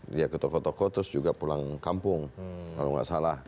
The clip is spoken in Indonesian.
dia ke toko toko terus juga pulang kampung kalau nggak salah